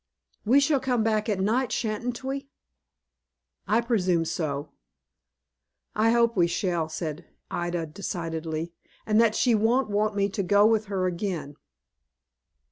"We shall come back at night, sha'n't we?" "I presume so." "I hope we shall," said Ida, decidedly, "and that she won't want me to go with her again."